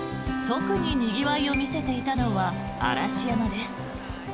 特ににぎわいを見せていたのは嵐山です。